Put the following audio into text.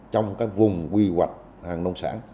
trong vùng quy hoạch hàng nông sản